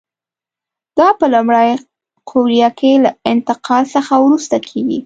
دا په لومړۍ قوریه کې له انتقال څخه وروسته کېږي.